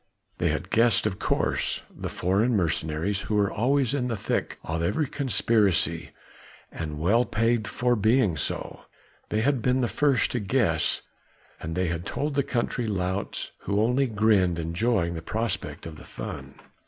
They had guessed of course the foreign mercenaries who were always in the thick of every conspiracy and well paid for being so they had been the first to guess and they had told the country louts who only grinned enjoying the prospect of the fun.